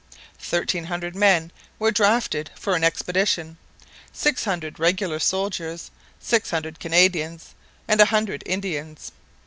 Thirteen hundred men were drafted for an expedition six hundred regular soldiers, six hundred Canadians, and a hundred Indians.